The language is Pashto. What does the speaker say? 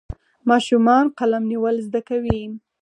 ماشومان قلم نیول زده کوي.